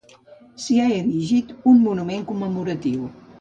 S'hi ha erigit un monument commemoratiu.